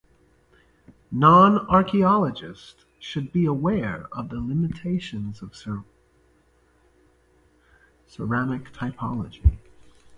Non-archaeologists should be aware of the limitations of ceramic typology.